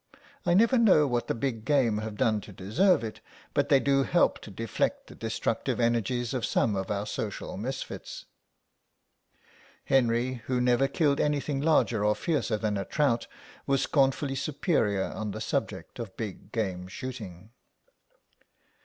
I never know what the big game have done to deserve it, but they do help to deflect the destructive energies of some of our social misfits." Henry, who never killed anything larger or fiercer than a trout, was scornfully superior on the subject of big game shooting.